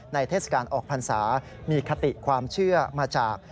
เทศกาลออกพรรษามีคติความเชื่อมาจาก